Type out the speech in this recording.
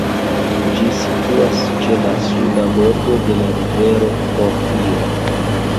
Ĝi situas ĉe la suda bordo de la rivero Ohio.